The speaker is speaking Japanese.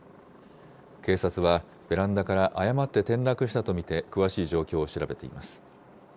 警察はベランダから誤って転落したと見て、詳しい状況を調べています。